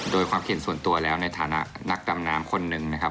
โดยความเห็นส่วนตัวแล้วในฐานะนักดำน้ำคนหนึ่งนะครับ